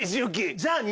じゃあ２